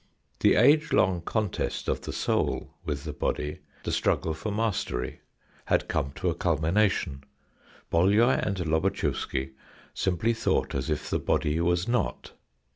The age long contest of the ^oul with the body, the struggle for mastery, had come to a cul mination. Bolyai and Lobatchewsky simply thought as if the body was not.